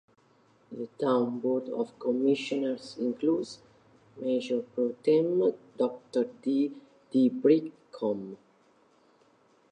The Town Board of Commissioners includes: Mayor Pro-Tem, Doctor Dee Dee Bright, Com.